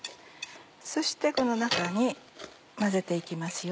そしてこの中に混ぜて行きますよ。